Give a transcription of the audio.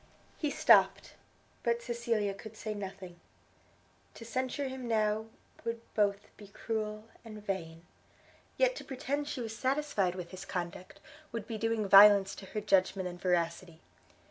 He stopt; but Cecilia could say nothing: to censure him now would both be cruel and vain; yet to pretend she was satisfied with his conduct, would be doing violence to her judgment and veracity.